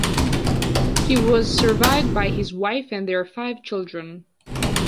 He was survived by his wife, and their five children.